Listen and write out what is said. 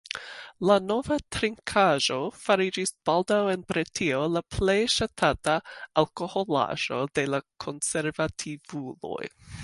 La nova trinkaĵo fariĝis baldaŭ en Britio la plej ŝatata alkoholaĵo de la konservativuloj.